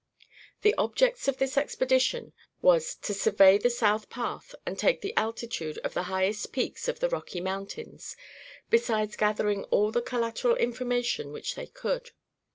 The objects of this expedition was to survey the South Pass, and take the altitude of the highest peaks of the Rocky Mountains, besides gathering all the collateral information which they could.